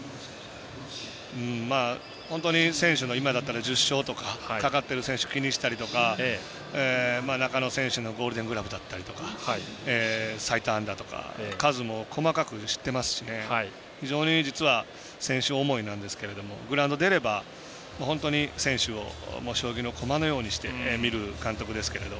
本当に、選手の今だったら１０勝とかかかっている選手気にしたりとか中野選手のゴールデン・グラブだったりとか最多安打とか数も細かく知ってますし非常に実は選手思いなんですけどグラウンド出れば本当に選手を将棋の駒のようにして見る監督ですけれど。